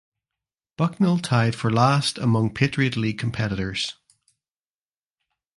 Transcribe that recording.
Bucknell tied for last among Patriot League competitors.